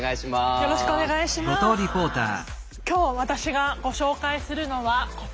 今日私がご紹介するのはこちら。